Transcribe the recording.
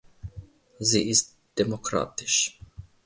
Sie ist demokratisch.